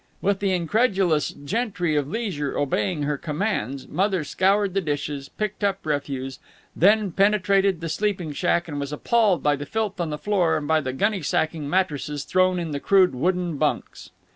With the incredulous gentry of leisure obeying her commands, Mother scoured the dishes, picked up refuse, then penetrated the sleeping shack and was appalled by the filth on the floor and by the gunny sacking mattresses thrown in the crude wooden bunks.